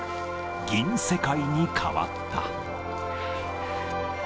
銀世界に変わった。